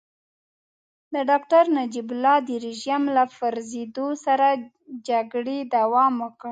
د ډاکټر نجیب الله د رژيم له پرزېدو سره جګړې دوام وکړ.